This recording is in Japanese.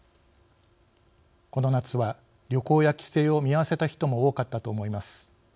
この夏は旅行や帰省を見合わせた人も多かったと思います。